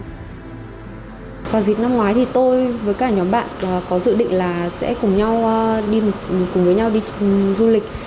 còn dịp năm ngoái thì tôi với cả nhóm bạn có dự định là sẽ cùng nhau đi du lịch